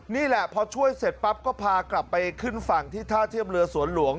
นี่แหละพอช่วยเสร็จปั๊บก็พากลับไปขึ้นฝั่งที่ท่าเทียบเรือสวนหลวง